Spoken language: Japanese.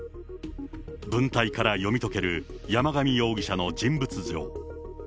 文体から読み解ける山上容疑者の人物像。